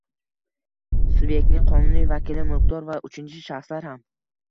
Subyektning qonuniy vakili, mulkdor va uchinchi shaxslar ham